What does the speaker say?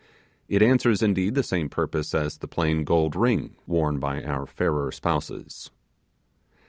It answers, indeed, the same purpose as the plain gold ring worn by our fairer spouses.